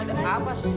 ada apa sih